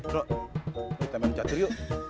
drok kita main catur yuk